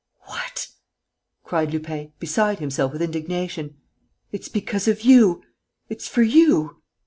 "What!" cried Lupin, beside himself with indignation. "It's because of you, it's for you...."